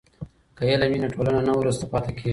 که علم وي نو ټولنه نه وروسته پاتې کیږي.